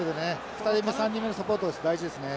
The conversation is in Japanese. ２人目３人目のサポート大事ですね。